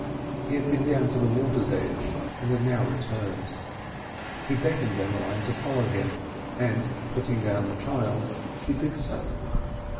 He had been down to the water's edge and had now returned. He beckoned Emmeline to follow him, and, putting down the child, she did so.